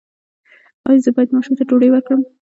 ایا زه باید ماشوم ته ډوډۍ ورکړم؟